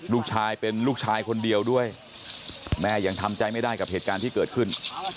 ลูกชายเป็นลูกชายคนเดียวด้วยแม่ยังทำใจไม่ได้กับเหตุการณ์ที่เกิดขึ้น